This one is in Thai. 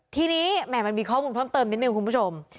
ทีนี้แหม่มันมีข้อมูลเพิ่มเติมนิดนึงคุณผู้ชม